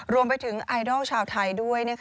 รวมไปถึงไอดอลชาวไทยด้วย